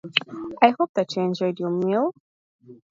I hope that you enjoyed your meal!